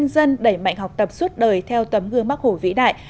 dân đẩy mạnh học tập suốt đời theo tấm gương mắc hồ vĩ đại